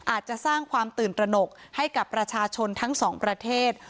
อาจจะสร้างความตื่นตระหนกให้กับประชาชนทั้งสองประเทศ